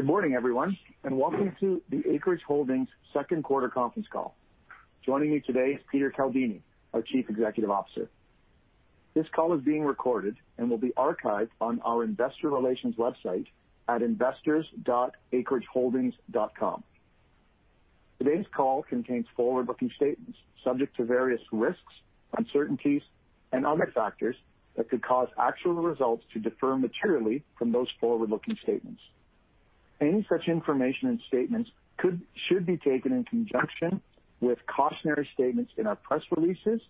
Good morning, everyone, and welcome to the Acreage Holdings second quarter conference call. Joining me today is Peter Caldini, our Chief Executive Officer. This call is being recorded and will be archived on our investor relations website at investors.acreageholdings.com. Today's call contains forward-looking statements subject to various risks, uncertainties, and other factors that could cause actual results to differ materially from those forward-looking statements. Any such information and statements should be taken in conjunction with cautionary statements in our press releases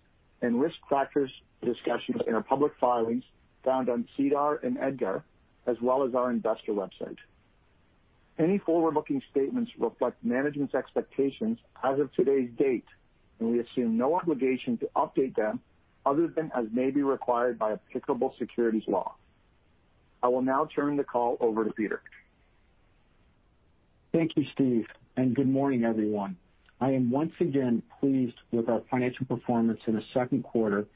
and risk factors discussions in our public filings found on SEDAR and EDGAR, as well as our investor website. Any forward-looking statements reflect management's expectations as of today's date, and we assume no obligation to update them other than as may be required by applicable securities law. I will now turn the call over to Peter. Thank you, Steve, and good morning, everyone. I am once again pleased with our financial performance in the second quarter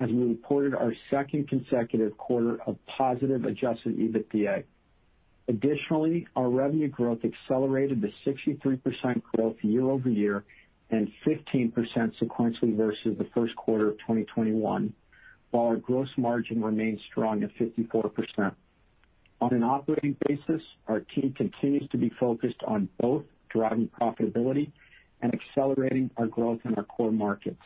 as we reported our second consecutive quarter of positive adjusted EBITDA. Our revenue growth accelerated to 63% growth year-over-year and 15% sequentially versus the first quarter of 2021. Our gross margin remains strong at 54%. On an operating basis, our team continues to be focused on both driving profitability and accelerating our growth in our core markets.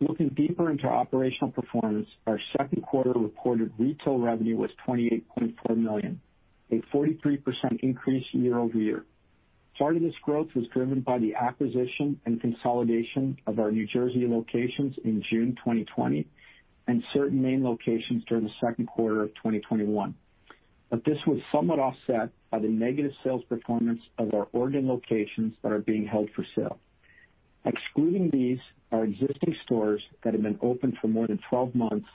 Looking deeper into our operational performance, our second quarter reported retail revenue was $28.4 million, a 43% increase year-over-year. Part of this growth was driven by the acquisition and consolidation of our New Jersey locations in June 2020 and certain Maine locations during the second quarter of 2021. This was somewhat offset by the negative sales performance of our Oregon locations that are being held for sale. Excluding these are existing stores that have been open for more than 12 months,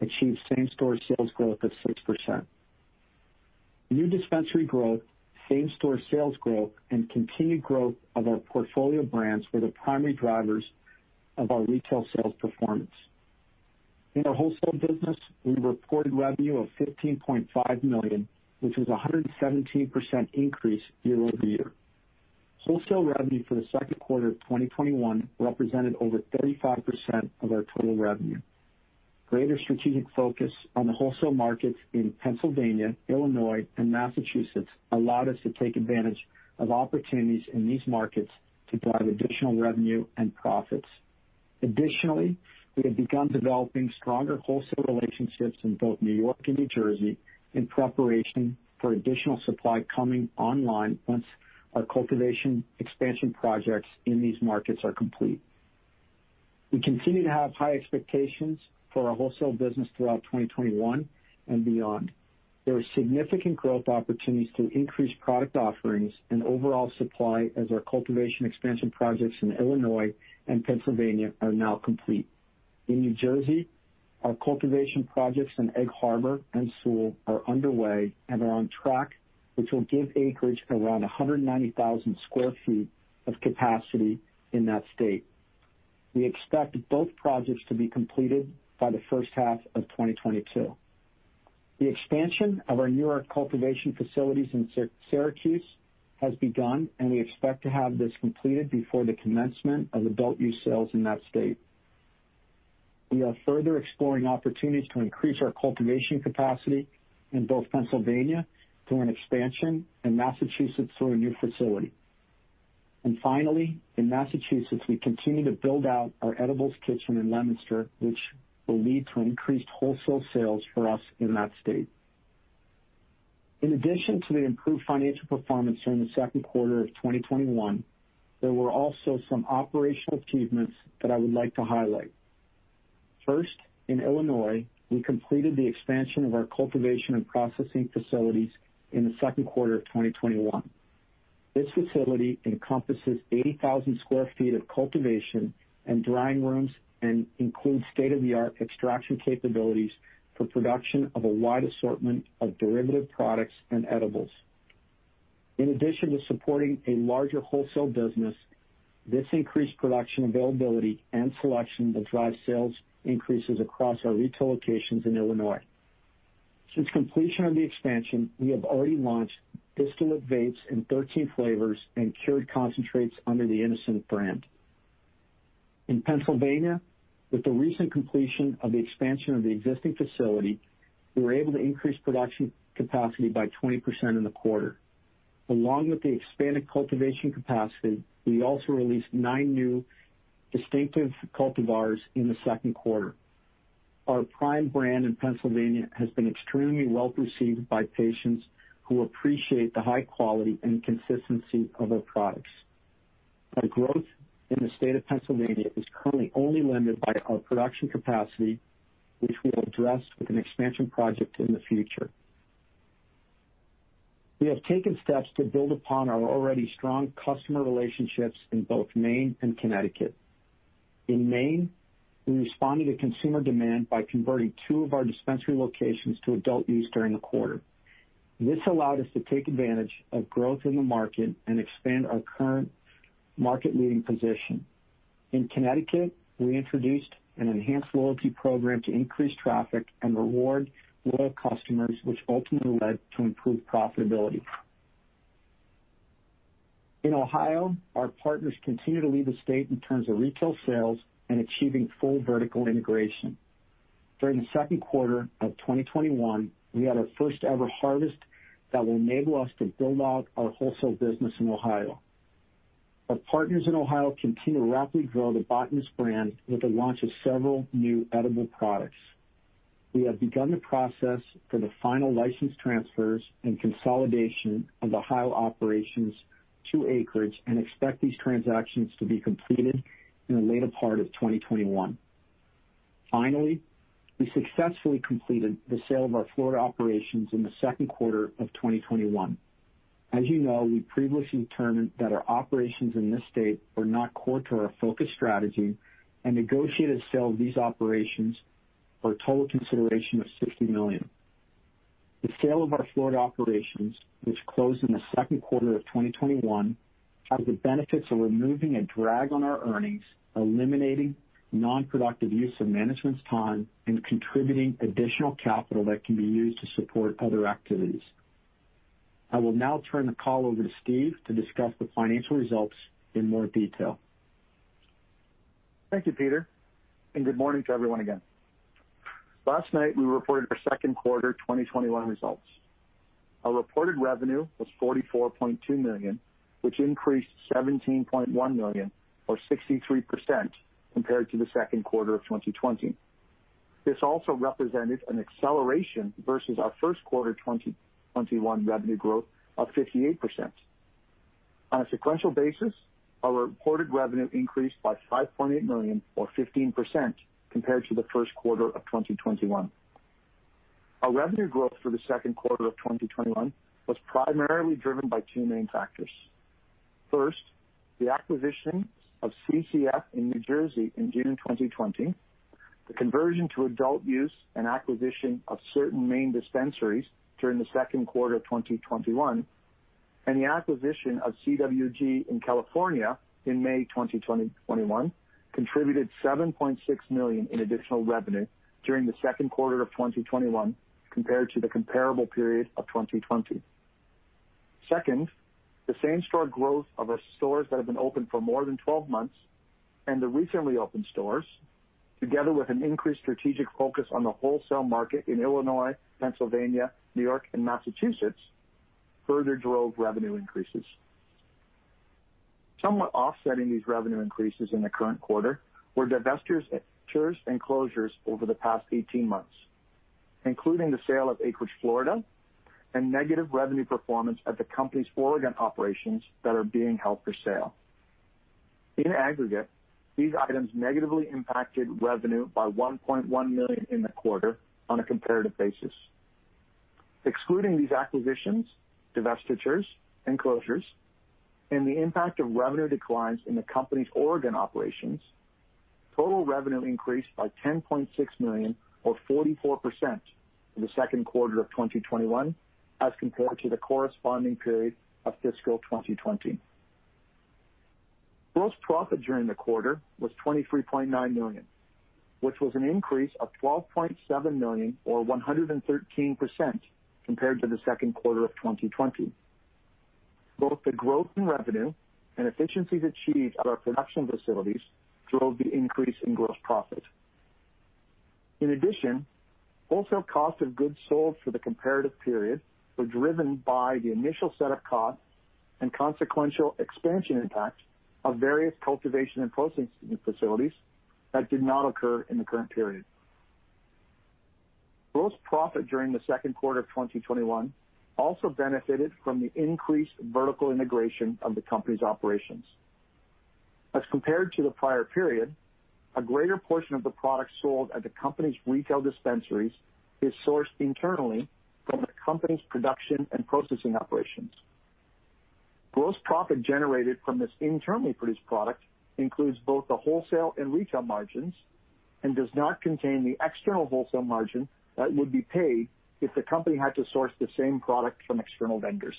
achieved same-store sales growth of 6%. New dispensary growth, same-store sales growth, and continued growth of our portfolio brands were the primary drivers of our retail sales performance. In our wholesale business, we reported revenue of $15.5 million, which was 117% increase year-over-year. Wholesale revenue for the second quarter of 2021 represented over 35% of our total revenue. Greater strategic focus on the wholesale markets in Pennsylvania, Illinois, and Massachusetts allowed us to take advantage of opportunities in these markets to drive additional revenue and profits. Additionally, we have begun developing stronger wholesale relationships in both New York and New Jersey in preparation for additional supply coming online once our cultivation expansion projects in these markets are complete. We continue to have high expectations for our wholesale business throughout 2021 and beyond. There are significant growth opportunities to increase product offerings and overall supply as our cultivation expansion projects in Illinois and Pennsylvania are now complete. In New Jersey, our cultivation projects in Egg Harbor and Sewell are underway and are on track, which will give Acreage around 190,000 sq ft of capacity in that state. We expect both projects to be completed by the first half of 2022. The expansion of our New York cultivation facilities in Syracuse has begun, and we expect to have this completed before the commencement of adult use sales in that state. We are further exploring opportunities to increase our cultivation capacity in both Pennsylvania, through an expansion, and Massachusetts through a new facility. Finally, in Massachusetts, we continue to build out our edibles kitchen in Leominster, which will lead to increased wholesale sales for us in that state. In addition to the improved financial performance during the second quarter of 2021, there were also some operational achievements that I would like to highlight. First, in Illinois, we completed the expansion of our cultivation and processing facilities in the second quarter of 2021. This facility encompasses 80,000 sq ft of cultivation and drying rooms and includes state-of-the-art extraction capabilities for production of a wide assortment of derivative products and edibles. In addition to supporting a larger wholesale business, this increased production availability and selection will drive sales increases across our retail locations in Illinois. Since completion of the expansion, we have already launched distillate vapes in 13 flavors and cured concentrates under the Innocent brand. In Pennsylvania, with the recent completion of the expansion of the existing facility, we were able to increase production capacity by 20% in the quarter. Along with the expanded cultivation capacity, we also released nine new distinctive cultivars in the second quarter. Our Prime brand in Pennsylvania has been extremely well-received by patients who appreciate the high quality and consistency of our products. Our growth in the state of Pennsylvania is currently only limited by our production capacity, which we'll address with an expansion project in the future. We have taken steps to build upon our already strong customer relationships in both Maine and Connecticut. In Maine, we responded to consumer demand by converting two of our dispensary locations to adult-use during the quarter. This allowed us to take advantage of growth in the market and expand our current market-leading position. In Connecticut, we introduced an enhanced loyalty program to increase traffic and reward loyal customers, which ultimately led to improved profitability. In Ohio, our partners continue to lead the state in terms of retail sales and achieving full vertical integration. During the second quarter of 2021, we had our first-ever harvest that will enable us to build out our wholesale business in Ohio. Our partners in Ohio continue to rapidly grow the Botanist brand with the launch of several new edible products. We have begun the process for the final license transfers and consolidation of Ohio operations to Acreage and expect these transactions to be completed in the later part of 2021. Finally, we successfully completed the sale of our Florida operations in the second quarter of 2021. As you know, we previously determined that our operations in this state were not core to our focus strategy and negotiated the sale of these operations for a total consideration of $60 million. The sale of our Florida operations, which closed in the second quarter of 2021, has the benefits of removing a drag on our earnings, eliminating non-productive use of management's time, and contributing additional capital that can be used to support other activities. I will now turn the call over to Steve to discuss the financial results in more detail. Thank you, Peter, and good morning to everyone again. Last night, we reported our second quarter 2021 results. Our reported revenue was $44.2 million, which increased $17.1 million or 63% compared to the second quarter of 2020. This also represented an acceleration versus our first quarter 2021 revenue growth of 58%. On a sequential basis, our reported revenue increased by $5.8 million or 15% compared to the first quarter of 2021. Our revenue growth for the second quarter of 2021 was primarily driven by two main factors. First, the acquisition of CCF in New Jersey in June 2020, the conversion to adult use and acquisition of certain Maine dispensaries during the second quarter of 2021, and the acquisition of CWG in California in May 2021 contributed $7.6 million in additional revenue during the second quarter of 2021 compared to the comparable period of 2020. Second, the same-store growth of our stores that have been open for more than 12 months and the recently opened stores, together with an increased strategic focus on the wholesale market in Illinois, Pennsylvania, New York, and Massachusetts, further drove revenue increases. Somewhat offsetting these revenue increases in the current quarter were divestitures and closures over the past 18 months, including the sale of Acreage Florida and negative revenue performance at the company's Oregon operations that are being held for sale. In aggregate, these items negatively impacted revenue by $1.1 million in the quarter on a comparative basis. Excluding these acquisitions, divestitures, and closures, and the impact of revenue declines in the company's Oregon operations, total revenue increased by $10.6 million or 44% in the second quarter of 2021 as compared to the corresponding period of fiscal 2020. Gross profit during the quarter was $23.9 million, which was an increase of $12.7 million or 113% compared to the second quarter of 2020. Both the growth in revenue and efficiencies achieved at our production facilities drove the increase in gross profit. In addition, wholesale cost of goods sold for the comparative period were driven by the initial set-up cost and consequential expansion impact of various cultivation and processing facilities that did not occur in the current period. Gross profit during the second quarter of 2021 also benefited from the increased vertical integration of the company's operations. As compared to the prior period, a greater portion of the products sold at the company's retail dispensaries is sourced internally from the company's production and processing operations. Gross profit generated from this internally produced product includes both the wholesale and retail margins and does not contain the external wholesale margin that would be paid if the company had to source the same product from external vendors.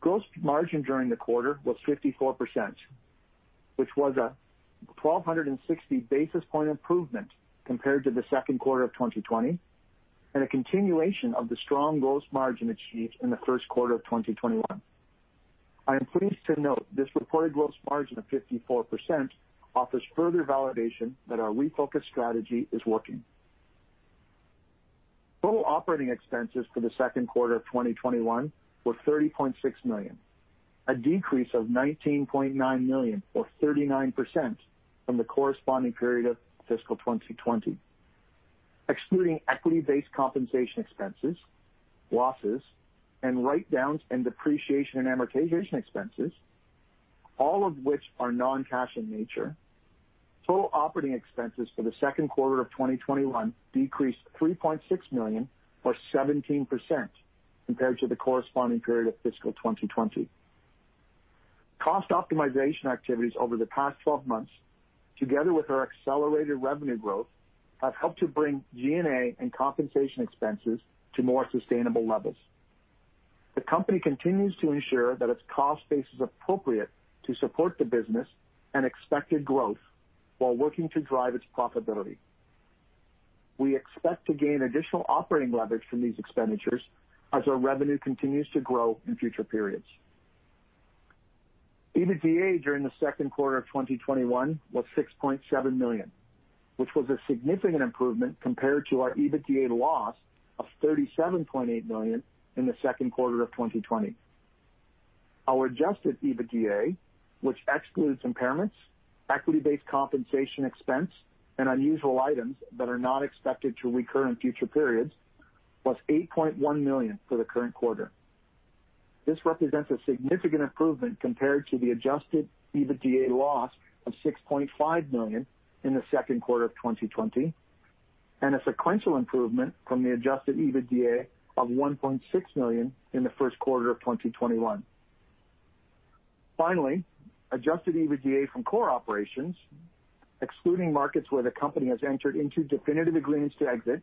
Gross margin during the quarter was 54%, which was a 1,260 basis point improvement compared to the second quarter of 2020, and a continuation of the strong gross margin achieved in the first quarter of 2021. I am pleased to note this reported gross margin of 54% offers further validation that our refocused strategy is working. Total operating expenses for the second quarter of 2021 were $30.6 million, a decrease of $19.9 million or 39% from the corresponding period of fiscal 2020. Excluding equity-based compensation expenses, losses, and write-downs and depreciation and amortization expenses, all of which are non-cash in nature, total operating expenses for the second quarter of 2021 decreased $3.6 million or 17% compared to the corresponding period of fiscal 2020. Cost optimization activities over the past 12 months, together with our accelerated revenue growth, have helped to bring G&A and compensation expenses to more sustainable levels. The company continues to ensure that its cost base is appropriate to support the business and expected growth while working to drive its profitability. We expect to gain additional operating leverage from these expenditures as our revenue continues to grow in future periods. EBITDA during the second quarter of 2021 was $6.7 million, which was a significant improvement compared to our EBITDA loss of $37.8 million in the second quarter of 2020. Our adjusted EBITDA, which excludes impairments, equity-based compensation expense, and unusual items that are not expected to recur in future periods, was $8.1 million for the current quarter. This represents a significant improvement compared to the adjusted EBITDA loss of $6.5 million in the second quarter of 2020, and a sequential improvement from the adjusted EBITDA of $1.6 million in the first quarter of 2021. Finally, adjusted EBITDA from core operations, excluding markets where the company has entered into definitive agreements to exit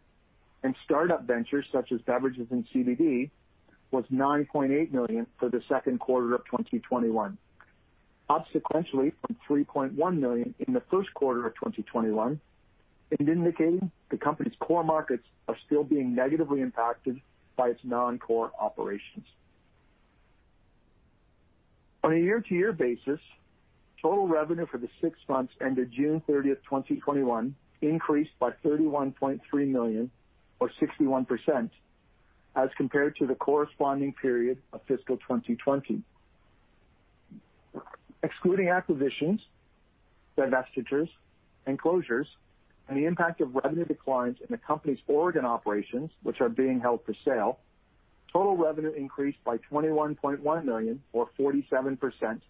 and startup ventures such as beverages and CBD, was $9.8 million for the second quarter of 2021, up sequentially from $3.1 million in the first quarter of 2021, and indicating the company's core markets are still being negatively impacted by its non-core operations. On a year-to-year basis, total revenue for the six months ended June 30th, 2021 increased by $31.3 million or 61%, as compared to the corresponding period of fiscal 2020. Excluding acquisitions, divestitures, and closures, and the impact of revenue declines in the company's Oregon operations, which are being held for sale, total revenue increased by $21.1 million or 47%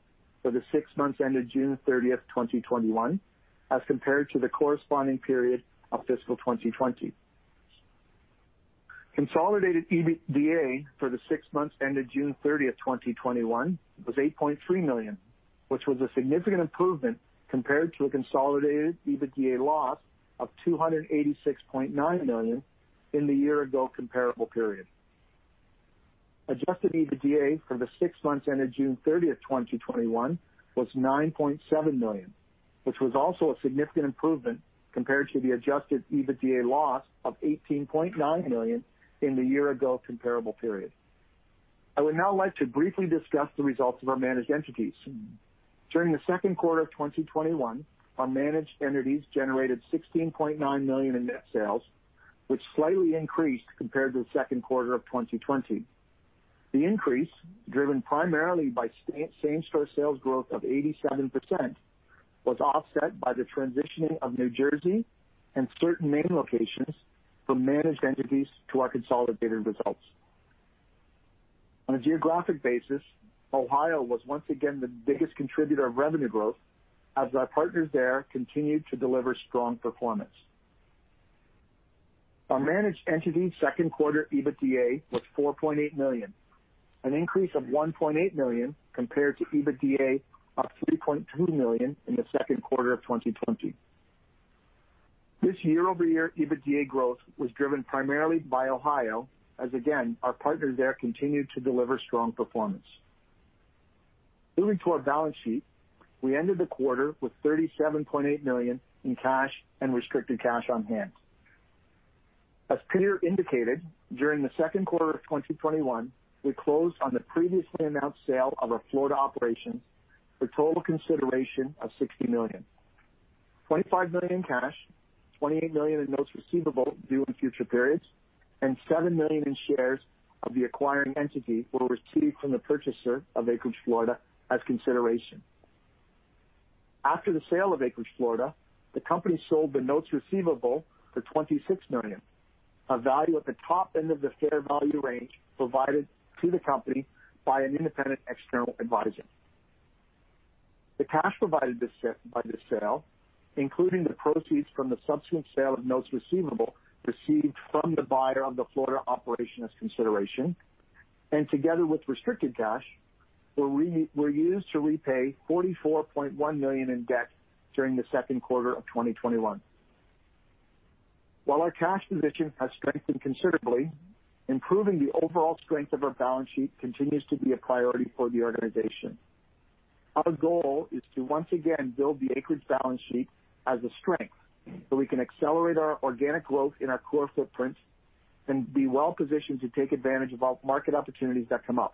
for the six months ended June 30th, 2021 as compared to the corresponding period of fiscal 2020. Consolidated EBITDA for the six months ended June 30th, 2021 was $8.3 million, which was a significant improvement compared to a consolidated EBITDA loss of $286.9 million in the year-ago comparable period. Adjusted EBITDA for the six months ended June 30th, 2021 was $9.7 million, which was also a significant improvement compared to the adjusted EBITDA loss of $18.9 million in the year-ago comparable period. I would now like to briefly discuss the results of our managed entities. During the second quarter of 2021, our managed entities generated $16.9 million in net sales, which slightly increased compared to the second quarter of 2020. The increase, driven primarily by same-store sales growth of 87%, was offset by the transitioning of New Jersey and certain Maine locations from managed entities to our consolidated results. On a geographic basis, Ohio was once again the biggest contributor of revenue growth as our partners there continued to deliver strong performance. Our managed entities' second quarter EBITDA was $4.8 million, an increase of $1.8 million compared to EBITDA of $3.2 million in the second quarter of 2020. This year-over-year EBITDA growth was driven primarily by Ohio as, again, our partners there continued to deliver strong performance. Moving to our balance sheet, we ended the quarter with $37.8 million in cash and restricted cash on hand. As Peter indicated, during the second quarter of 2021, we closed on the previously announced sale of our Florida operations for total consideration of $60 million. $25 million cash, $28 million in notes receivable due in future periods, and $7 million in shares of the acquiring entity were received from the purchaser of Acreage Florida as consideration. After the sale of Acreage Florida, the company sold the notes receivable for $26 million, a value at the top end of the fair value range provided to the company by an independent external advisor. The cash provided by the sale, including the proceeds from the subsequent sale of notes receivable received from the buyer of the Florida operation as consideration, and together with restricted cash, were used to repay $44.1 million in debt during the second quarter of 2021. While our cash position has strengthened considerably, improving the overall strength of our balance sheet continues to be a priority for the organization. Our goal is to once again build the Acreage balance sheet as a strength so we can accelerate our organic growth in our core footprints and be well-positioned to take advantage of all market opportunities that come up.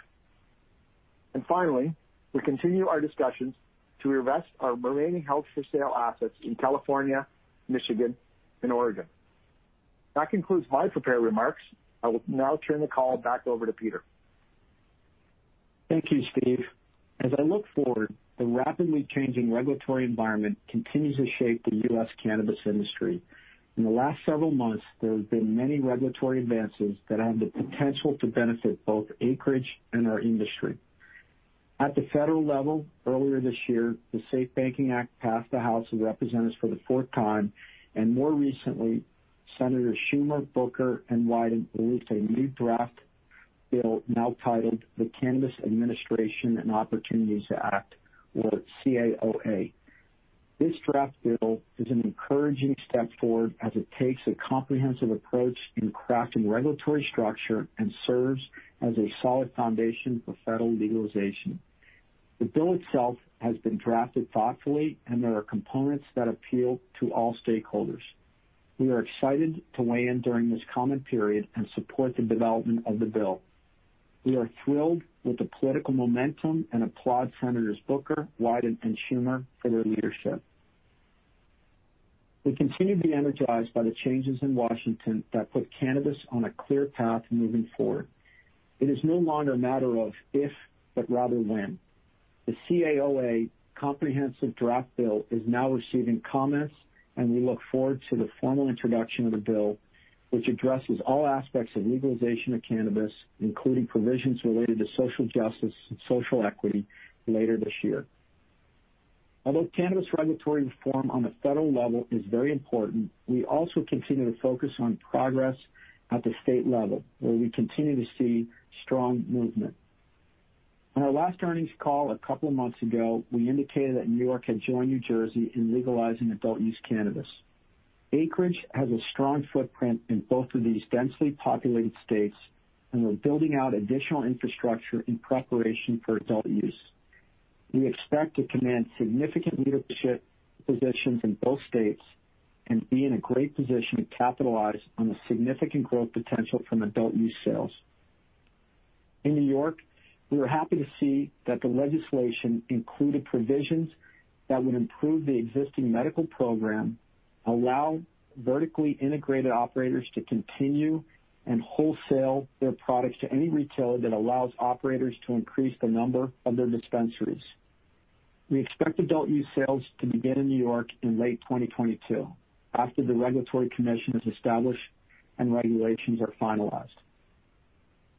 Finally, we continue our discussions to divest our remaining held-for-sale assets in California, Michigan, and Oregon. That concludes my prepared remarks. I will now turn the call back over to Peter. Thank you, Steve. As I look forward, the rapidly changing regulatory environment continues to shape the U.S. cannabis industry. In the last several months, there have been many regulatory advances that have the potential to benefit both Acreage and our industry. At the federal level, earlier this year, the SAFE Banking Act passed the House of Representatives for the fourth time, and more recently Senator Schumer, Booker, and Wyden released a new draft bill now titled the Cannabis Administration and Opportunity Act, or CAOA. This draft bill is an encouraging step forward as it takes a comprehensive approach in crafting regulatory structure and serves as a solid foundation for federal legalization. The bill itself has been drafted thoughtfully, and there are components that appeal to all stakeholders. We are excited to weigh in during this comment period and support the development of the bill. We are thrilled with the political momentum and applaud Senators Booker, Wyden, and Schumer for their leadership. We continue to be energized by the changes in Washington that put cannabis on a clear path moving forward. It is no longer a matter of if, but rather when. The CAOA comprehensive draft bill is now receiving comments, and we look forward to the formal introduction of the bill, which addresses all aspects of legalization of cannabis, including provisions related to social justice and social equity, later this year. Although cannabis regulatory reform on the federal level is very important, we also continue to focus on progress at the state level, where we continue to see strong movement. On our last earnings call a couple of months ago, we indicated that New York had joined New Jersey in legalizing adult-use cannabis. Acreage has a strong footprint in both of these densely populated states, and we're building out additional infrastructure in preparation for adult use. We expect to command significant leadership positions in both states and be in a great position to capitalize on the significant growth potential from adult-use sales. In New York, we were happy to see that the legislation included provisions that would improve the existing medical program, allow vertically integrated operators to continue and wholesale their products to any retailer that allows operators to increase the number of their dispensaries. We expect adult-use sales to begin in New York in late 2022, after the Cannabis Regulatory Commission is established, and regulations are finalized.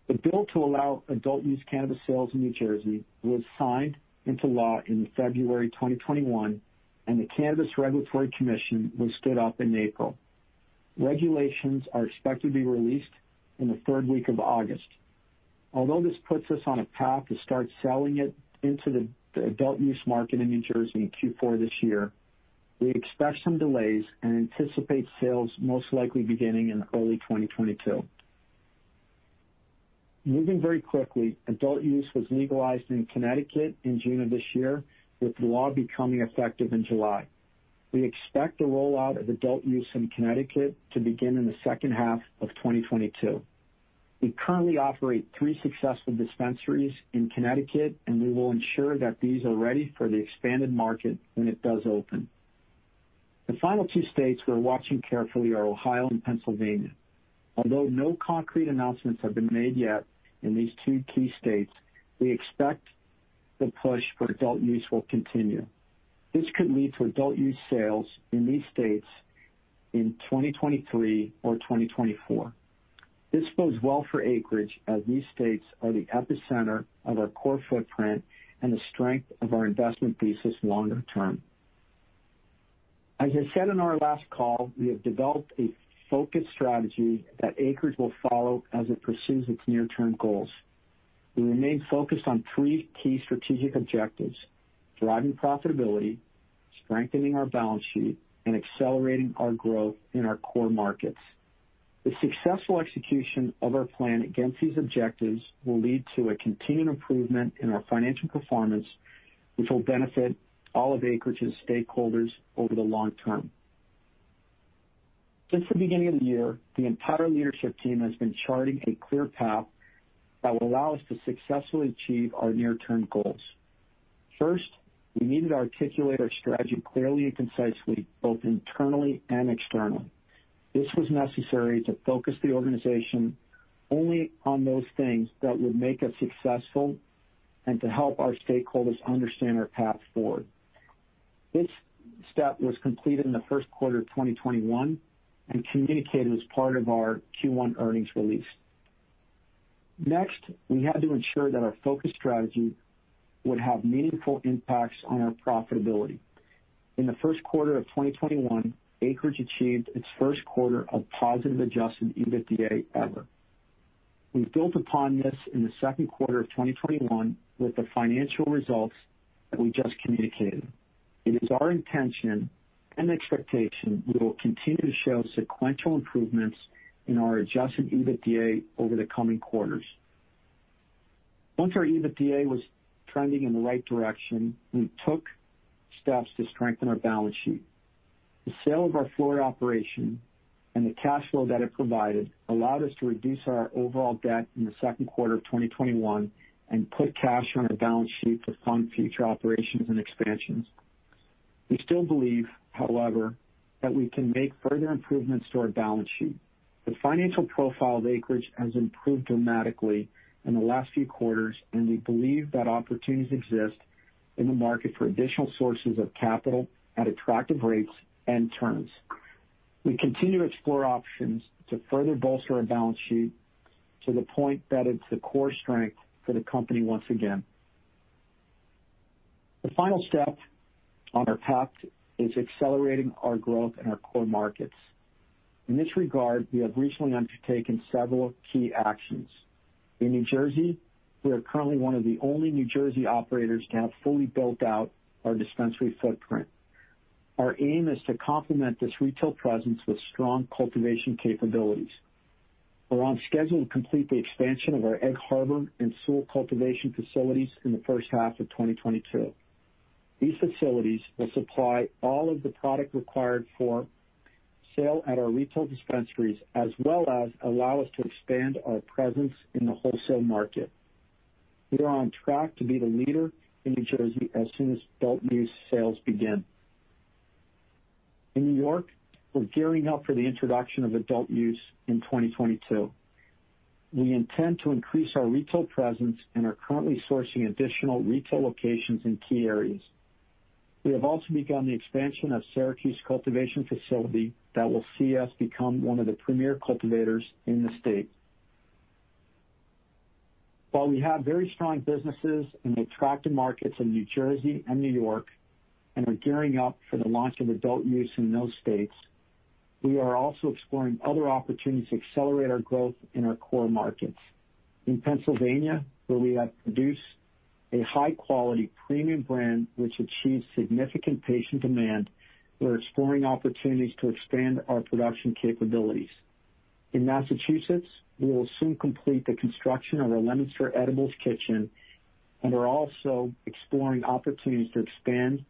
The bill to allow adult-use cannabis sales in New Jersey was signed into law in February 2021, and the Cannabis Regulatory Commission was stood up in April. Regulations are expected to be released in the third week of August. Although this puts us on a path to start selling it into the adult-use market in New Jersey in Q4 this year, we expect some delays and anticipate sales most likely beginning in early 2022. Moving very quickly, adult use was legalized in Connecticut in June of this year, with the law becoming effective in July. We expect the rollout of adult use in Connecticut to begin in the second half of 2022. We currently operate three successful dispensaries in Connecticut, and we will ensure that these are ready for the expanded market when it does open. The final two states we're watching carefully are Ohio and Pennsylvania. Although no concrete announcements have been made yet in these two key states, we expect the push for adult use will continue. This could lead to adult-use sales in these states in 2023 or 2024. This bodes well for Acreage as these states are the epicenter of our core footprint and the strength of our investment thesis longer term. As I said on our last call, we have developed a focused strategy that Acreage will follow as it pursues its near-term goals. We remain focused on three key strategic objectives, driving profitability, strengthening our balance sheet, and accelerating our growth in our core markets. The successful execution of our plan against these objectives will lead to a continued improvement in our financial performance, which will benefit all of Acreage's stakeholders over the long term. Since the beginning of the year, the entire leadership team has been charting a clear path that will allow us to successfully achieve our near-term goals. First, we needed to articulate our strategy clearly and concisely, both internally and externally. This was necessary to focus the organization only on those things that would make us successful and to help our stakeholders understand our path forward. This step was completed in the first quarter of 2021 and communicated as part of our Q1 earnings release. Next, we had to ensure that our focus strategy would have meaningful impacts on our profitability. In the first quarter of 2021, Acreage achieved its first quarter of positive adjusted EBITDA ever. We've built upon this in the second quarter of 2021 with the financial results that we just communicated. It is our intention and expectation we will continue to show sequential improvements in our adjusted EBITDA over the coming quarters. Once our EBITDA was trending in the right direction, we took steps to strengthen our balance sheet. The sale of our Florida operation and the cash flow that it provided allowed us to reduce our overall debt in the second quarter of 2021 and put cash on our balance sheet to fund future operations and expansions. We still believe, however, that we can make further improvements to our balance sheet. The financial profile of Acreage has improved dramatically in the last few quarters, and we believe that opportunities exist in the market for additional sources of capital at attractive rates and terms. We continue to explore options to further bolster our balance sheet to the point that it's a core strength for the company once again. The final step on our path is accelerating our growth in our core markets. In this regard, we have recently undertaken several key actions. In New Jersey, we are currently one of the only New Jersey operators to have fully built out our dispensary footprint. Our aim is to complement this retail presence with strong cultivation capabilities. We're on schedule to complete the expansion of our Egg Harbor and Sewell cultivation facilities in the first half of 2022. These facilities will supply all of the product required for sale at our retail dispensaries, as well as allow us to expand our presence in the wholesale market. We are on track to be the leader in New Jersey as soon as adult-use sales begin. In New York, we're gearing up for the introduction of adult use in 2022. We intend to increase our retail presence and are currently sourcing additional retail locations in key areas. We have also begun the expansion of Syracuse cultivation facility that will see us become one of the premier cultivators in the state. While we have very strong businesses in the attractive markets of New Jersey and New York, and are gearing up for the launch of adult use in those states, we are also exploring other opportunities to accelerate our growth in our core markets. In Pennsylvania, where we have produced a high-quality premium brand, which achieves significant patient demand, we are exploring opportunities to expand our production capabilities. In Massachusetts, we will soon complete the construction of our Leominster edibles kitchen, and we're also exploring opportunities to expand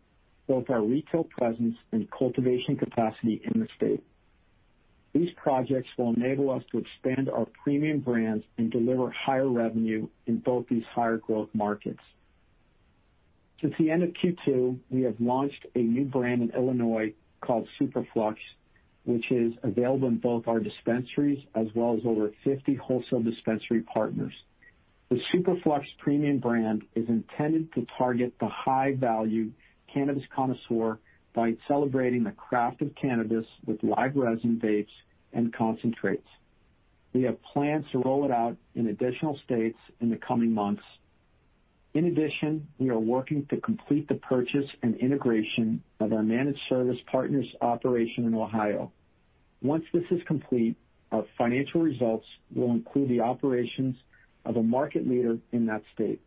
both our retail presence and cultivation capacity in the state. These projects will enable us to expand our premium brands and deliver higher revenue in both these higher growth markets. Since the end of Q2, we have launched a new brand in Illinois called Superflux, which is available in both our dispensaries as well as over 50 wholesale dispensary partners. The Superflux premium brand is intended to target the high-value cannabis connoisseur by celebrating the craft of cannabis with live resin vapes and concentrates. We have plans to roll it out in additional states in the coming months. In addition, we are working to complete the purchase and integration of our managed service partners operation in Ohio. Once this is complete, our financial results will include the operations of a market leader in that state.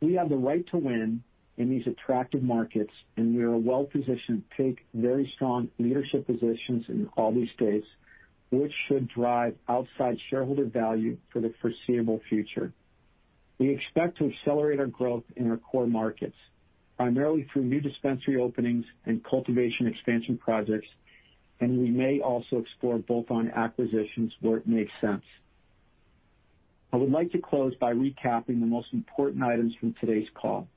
We have the right to win in these attractive markets, and we are well positioned to take very strong leadership positions in all these states, which should drive outsized shareholder value for the foreseeable future. We expect to accelerate our growth in our core markets, primarily through new dispensary openings and cultivation expansion projects, and we may also explore bolt-on acquisitions where it makes sense. I would like to close by recapping the most important items from today's call.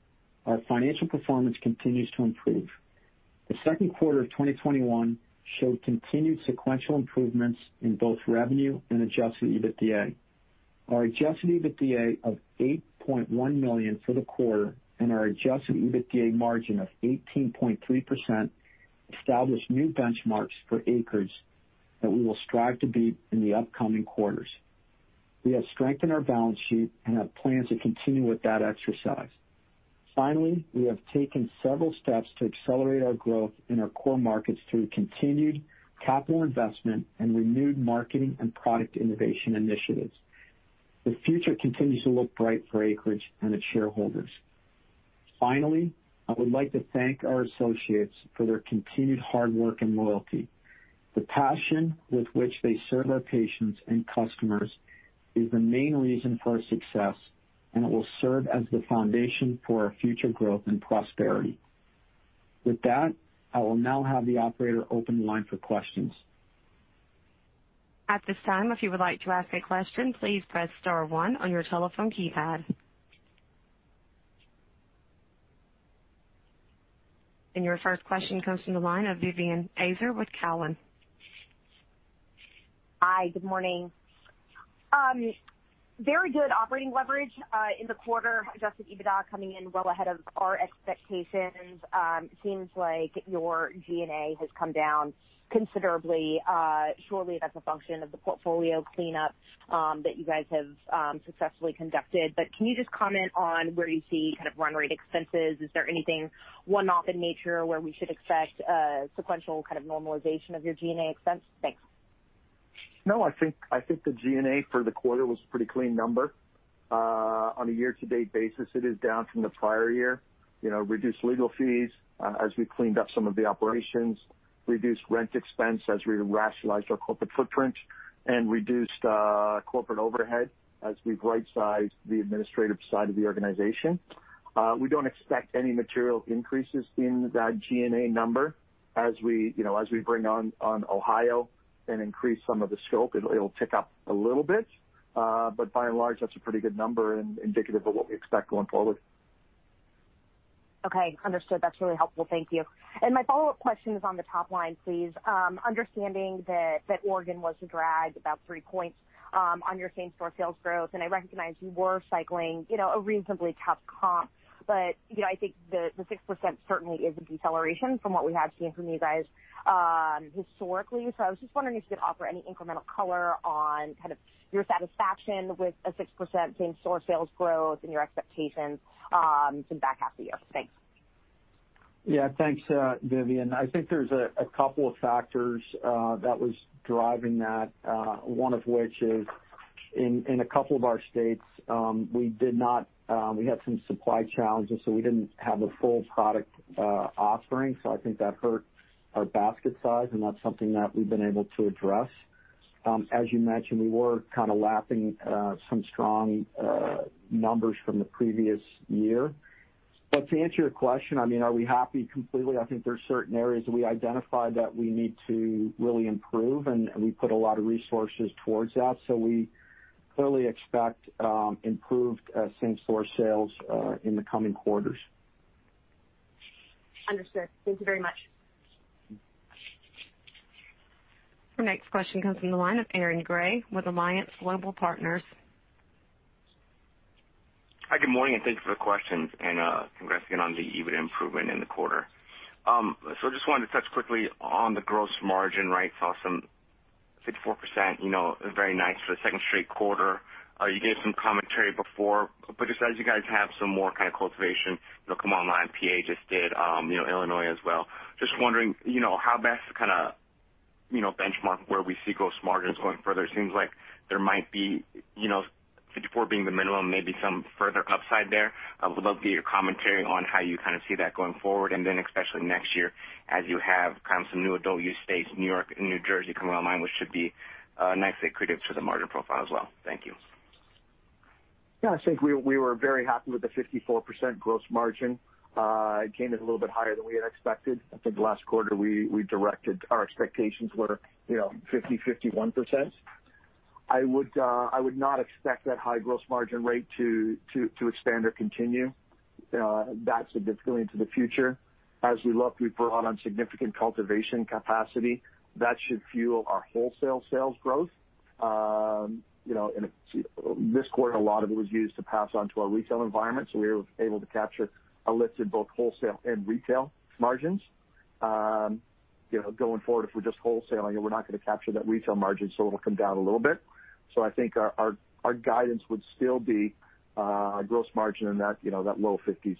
Our financial performance continues to improve. The second quarter of 2021 showed continued sequential improvements in both revenue and adjusted EBITDA. Our adjusted EBITDA of $8.1 million for the quarter and our adjusted EBITDA margin of 18.3% established new benchmarks for Acreage that we will strive to beat in the upcoming quarters. We have strengthened our balance sheet and have plans to continue with that exercise. We have taken several steps to accelerate our growth in our core markets through continued capital investment and renewed marketing and product innovation initiatives. The future continues to look bright for Acreage and its shareholders. I would like to thank our associates for their continued hard work and loyalty. The passion with which they serve our patients and customers is the main reason for our success, and it will serve as the foundation for our future growth and prosperity. I will now have the operator open the line for questions. Your first question comes from the line of Vivien Azer with Cowen. Hi. Good morning. Very good operating leverage, in the quarter, adjusted EBITDA coming in well ahead of our expectations. Seems like your G&A has come down considerably. Surely that's a function of the portfolio cleanup that you guys have successfully conducted. Can you just comment on where you see run rate expenses? Is there anything one-off in nature where we should expect sequential normalization of your G&A expense? Thanks. No, I think the G&A for the quarter was a pretty clean number. On a year-to-date basis, it is down from the prior year. Reduced legal fees, as we cleaned up some of the operations, reduced rent expense as we rationalized our corporate footprint, and reduced corporate overhead as we've right-sized the administrative side of the organization. We don't expect any material increases in that G&A number. As we bring on Ohio and increase some of the scope, it'll tick up a little bit. By and large, that's a pretty good number and indicative of what we expect going forward. Okay. Understood. That's really helpful. Thank you. My follow-up question is on the top line, please. Understanding that Oregon was a drag, about three points, on your same-store sales growth, and I recognize you were cycling a reasonably tough comp, but I think the 6% certainly is a deceleration from what we have seen from you guys historically. So I was just wondering if you could offer any incremental color on your satisfaction with a 6% same-store sales growth and your expectations going back half of the year. Thanks. Thanks, Vivien. I think there's a couple of factors that was driving that, one of which is in a couple of our states, we had some supply challenges, so we didn't have a full product offering. I think that hurt our basket size, and that's something that we've been able to address. As you mentioned, we were kind of lapping some strong numbers from the previous year. To answer your question, are we happy completely? I think there's certain areas that we identified that we need to really improve, and we put a lot of resources towards that. We clearly expect improved same-store sales in the coming quarters. Understood. Thank you very much. Our next question comes from the line of Aaron Grey with Alliance Global Partners. Hi, good morning, and thanks for the questions, and congrats again on the EBITDA improvement in the quarter. I just wanted to touch quickly on the gross margin rate. Saw some 54%, very nice for the second straight quarter. You gave some commentary before, just as you guys have some more kind of cultivation that'll come online, P.A. just did, Illinois as well. Just wondering how best to kind of benchmark where we see gross margins going further. It seems like there might be, 54% being the minimum, maybe some further upside there. I would love to get your commentary on how you kind of see that going forward, especially next year as you have kind of some new adult use states, N.Y. and N.J. coming online, which should be nicely accretive to the margin profile as well. Thank you. I think we were very happy with the 54% gross margin. It came in a little bit higher than we had expected. I think last quarter, our expectations were 50%, 51%. I would not expect that high gross margin rate to expand or continue that significantly into the future. As we look, we've brought on significant cultivation capacity. That should fuel our wholesale sales growth. This quarter, a lot of it was used to pass on to our retail environment, so we were able to capture a lift in both wholesale and retail margins. Going forward, if we're just wholesaling, we're not going to capture that retail margin, so it'll come down a little bit. I think our guidance would still be a gross margin in that low 50s.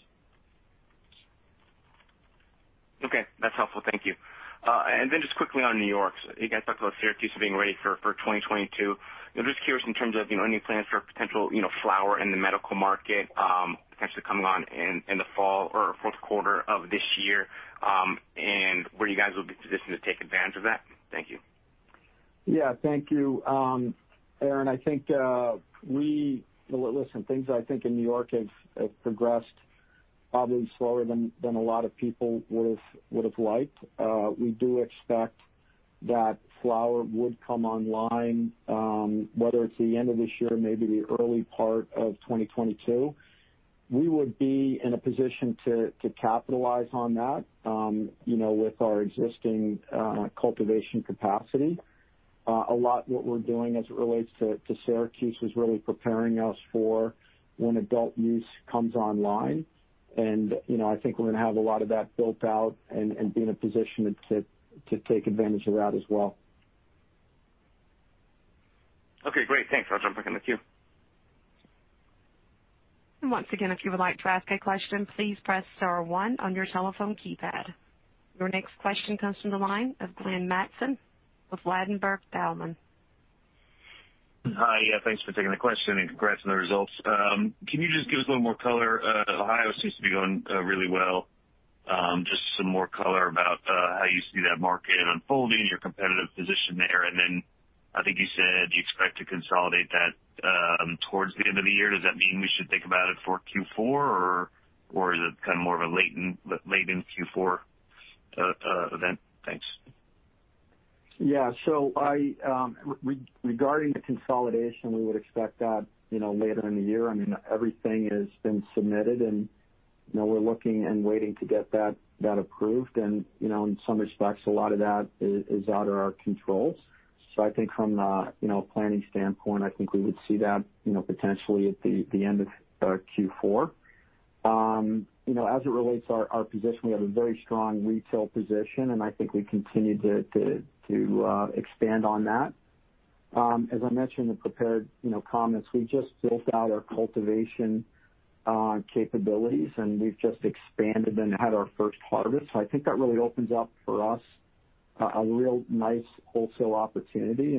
Okay. That's helpful. Thank you. Then just quickly on New York, you guys talked about Syracuse being ready for 2022. I'm just curious in terms of any plans for potential flower in the medical market potentially coming on in the fall or fourth quarter of this year, and where you guys will be positioned to take advantage of that? Thank you. Yeah. Thank you, Aaron. Listen, things, I think, in New York have progressed probably slower than a lot of people would've liked. We do expect that flower would come online, whether it's the end of this year, maybe the early part of 2022. We would be in a position to capitalize on that with our existing cultivation capacity. A lot what we're doing as it relates to Syracuse is really preparing us for when adult use comes online. I think we're going to have a lot of that built out and be in a position to take advantage of that as well. Okay, great. Thanks. I'll jump back in the queue. Your next question comes from the line of Glenn Mattson with Ladenburg Thalmann. Hi yeah, thanks for taking the question and congrats on the results. Can you just give us a little more color? Ohio seems to be going really well. Just some more color about how you see that market unfolding, your competitive position there, and then I think you said you expect to consolidate that towards the end of the year. Does that mean we should think about it for Q4, or is it kind of more of a latent Q4 event? Thanks. Yeah. Regarding the consolidation, we would expect that later in the year. Everything has been submitted, and we're looking and waiting to get that approved. In some respects, a lot of that is out of our controls. I think from a planning standpoint, I think we would see that potentially at the end of Q4. As it relates to our position, we have a very strong retail position, and I think we continue to expand on that. As I mentioned in the prepared comments, we just built out our cultivation capabilities, and we've just expanded and had our first harvest. I think that really opens up for us a real nice wholesale opportunity.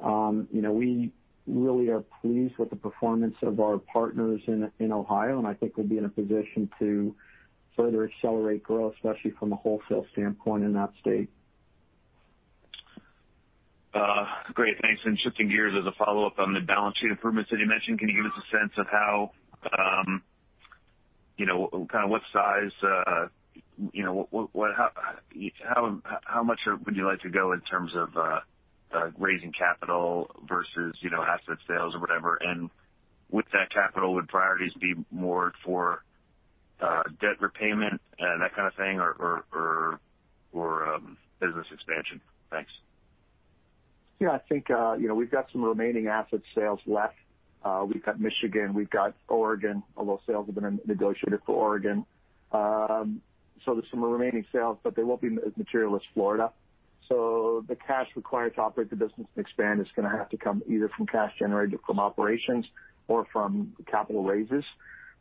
We really are pleased with the performance of our partners in Ohio, and I think we'll be in a position to further accelerate growth, especially from a wholesale standpoint in that state. Great. Thanks. Shifting gears as a follow-up on the balance sheet improvements that you mentioned, can you give us a sense of what size, how much would you like to go in terms of raising capital versus asset sales or whatever? With that capital, would priorities be more for debt repayment and that kind of thing, or business expansion? Thanks. Yeah. I think we've got some remaining asset sales left. We've got Michigan, we've got Oregon, although sales have been negotiated for Oregon. There's some remaining sales, but they won't be as material as Florida. The cash required to operate the business and expand is going to have to come either from cash generated from operations or from capital raises.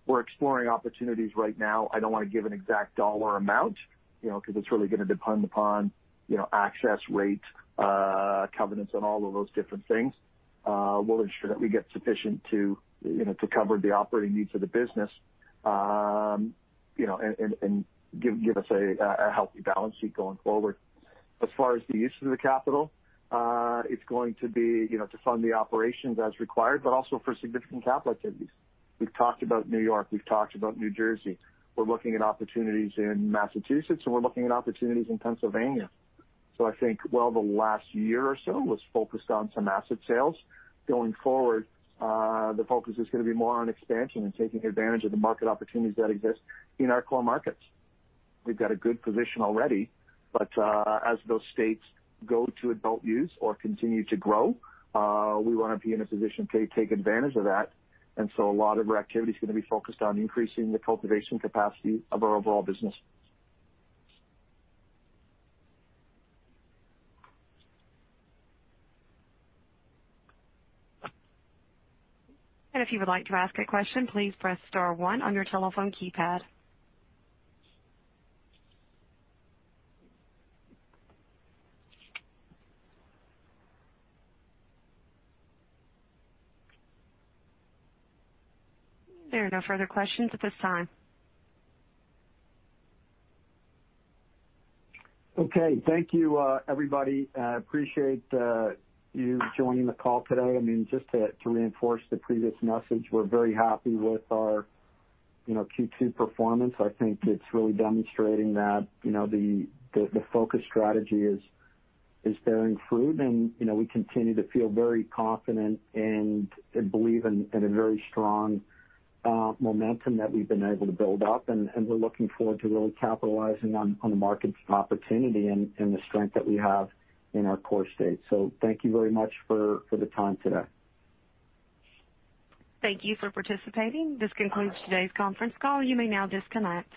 We're exploring opportunities right now. I don't want to give an exact dollar amount, because it's really going to depend upon access rates, covenants, and all of those different things. We'll ensure that we get sufficient to cover the operating needs of the business, and give us a healthy balance sheet going forward. As far as the use of the capital, it's going to be to fund the operations as required, but also for significant capital activities. We've talked about New York, we've talked about New Jersey. We're looking at opportunities in Massachusetts, and we're looking at opportunities in Pennsylvania. I think while the last year or so was focused on some asset sales, going forward, the focus is going to be more on expansion and taking advantage of the market opportunities that exist in our core markets. We've got a good position already. As those states go to adult use or continue to grow, we want to be in a position to take advantage of that, and so a lot of our activity is going to be focused on increasing the cultivation capacity of our overall business. If you would like to ask a question, please press star one on your telephone keypad. There are no further questions at this time. Okay. Thank you everybody. I appreciate you joining the call today. Just to reinforce the previous message, we're very happy with our Q2 performance. I think it's really demonstrating that the focus strategy is bearing fruit, and we continue to feel very confident and believe in a very strong momentum that we've been able to build up. We're looking forward to really capitalizing on the market's opportunity and the strength that we have in our core states. Thank you very much for the time today. Thank you for participating. This concludes today's conference call. You may now disconnect.